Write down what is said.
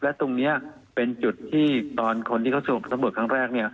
และตรงนี้เป็นจุดที่ตอนคนที่เขาสูบสำรวจครั้งแรก